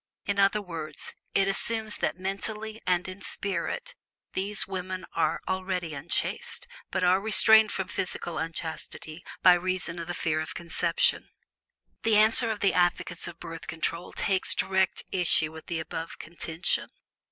In other words, it assumes that mentally and in spirit these women are already unchaste, but are restrained from physical unchastity by reason of the fear of conception. The answer of the advocates of Birth Control takes direct issue with the above contention.